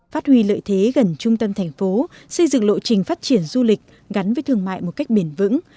phát huy lợi thế gần trung tâm thành phố xây dựng lộ trình phát triển du lịch gắn với thương mại một cách bền vững